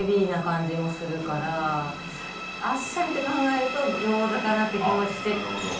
あっさりって考えると餃子かなって気もしてきちゃって。